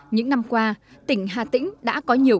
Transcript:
những năm qua tỉnh hà tĩnh đã có nhiều